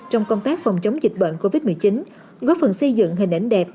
trong công tác phòng chống dịch bệnh covid một mươi chín góp phần xây dựng hình ảnh đẹp